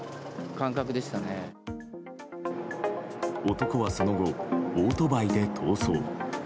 男はその後、オートバイで逃走。